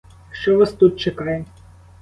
Що вас тут чекає?